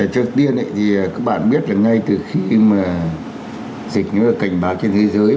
trước tiên các bạn biết là ngay từ khi dịch nó cảnh báo trên thế giới